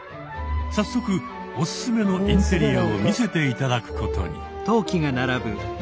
早速おすすめのインテリアを見せて頂くことに。